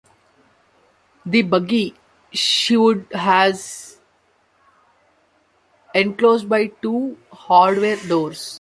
The buggy shed was enclosed by two hardwood doors.